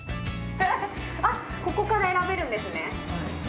あっ、ここから選べるんですね。